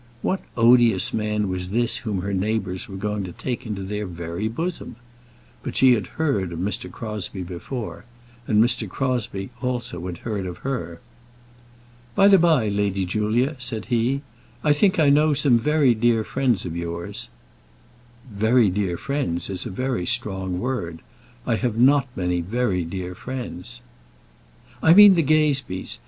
What odious man was this whom her neighbours were going to take into their very bosom! But she had heard of Mr. Crosbie before, and Mr. Crosbie also had heard of her. "By the by, Lady Julia," said he, "I think I know some very dear friends of yours." "Very dear friends is a very strong word. I have not many very dear friends." "I mean the Gazebees.